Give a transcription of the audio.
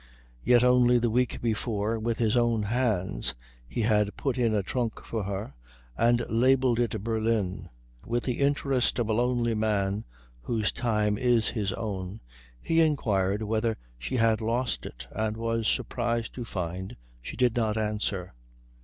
Yet only the week before with his own hands he had put in a trunk for her and labelled it Berlin. With the interest of a lonely man whose time is his own, he inquired whether she had lost it and was surprised to find she did not answer.